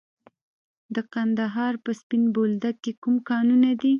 د کندهار په سپین بولدک کې کوم کانونه دي؟